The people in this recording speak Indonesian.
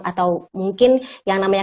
atau mungkin yang namanya